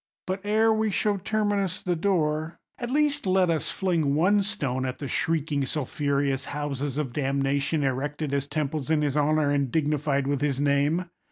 But, ere we show Terminus the door, at least let us fling one stone at the shrieking sulphureous houses of damnation erected as temples in his honour, and dignified with his name!